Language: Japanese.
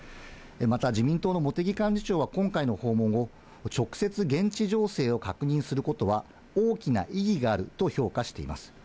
また自民党の茂木幹事長は今回の訪問を、直接、現地情勢を確認することは、大きな意義があると評価しています。